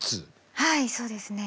はいそうですね。